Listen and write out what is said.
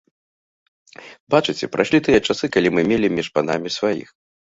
Бачыце, прайшлі тыя часы, калі мы мелі між панамі сваіх.